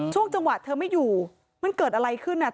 ช่วงจังหวะเธอไม่อยู่มันเกิดอะไรขึ้นอ่ะ